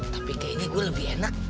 tapi kayaknya gue lebih enak